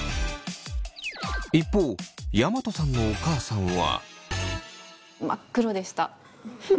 一方山戸さんのお母さんは。